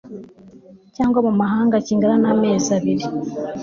cyangwa mu mahanga kingana n amezi abiri